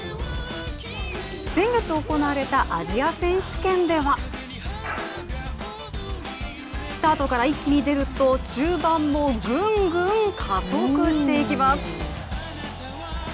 先月行われたアジア選手権ではスタートから一気に出ると中盤もぐんぐん加速していきます。